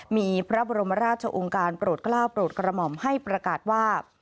มีพระบรมราชองค์การโปรดกล้าวโปรดกระหม่อมให้ประกาศว่า